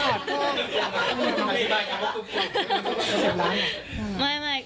เจ็บแล้ว